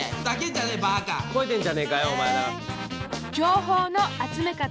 情報の集め方。